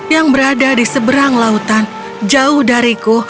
yang berada di seberang lautan jauh dariku